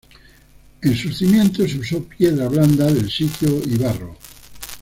En sus cimientos se usó piedra blanda del sitio y barro.